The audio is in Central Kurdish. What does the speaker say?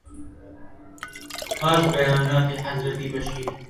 پاش بەیاناتی حەزرەتی بەشیر